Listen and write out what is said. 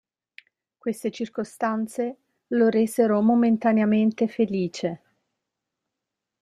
Queste circostanze lo resero momentaneamente felice.